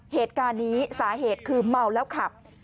เหตุการณ์นี้สาเหตุคือเมาแล้วขับ